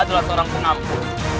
adalah seorang pengampu